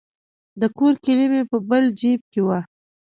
د کور کیلي مې په بل جیب کې وه.